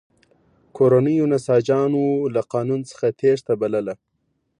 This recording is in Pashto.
کورنیو نساجانو له قانون څخه تېښته بلله.